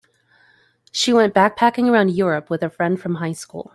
She went backpacking around Europe with a friend from high school.